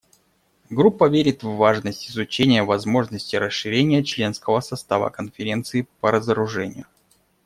Группа верит в важность изучения возможности расширения членского состава Конференции по разоружению.